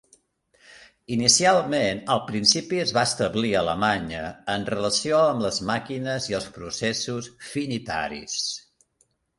Inicialment, el principi es va establir a Alemanya en relació amb les màquines i els processos finitaris.